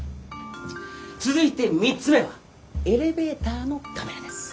続いて３つ目はエレベーターのカメラです。